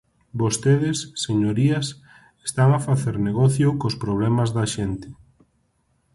Vostedes, señorías, están a facer negocio cos problemas da xente.